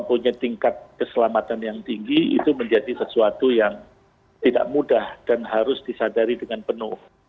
punya tingkat keselamatan yang tinggi itu menjadi sesuatu yang tidak mudah dan harus disadari dengan penuh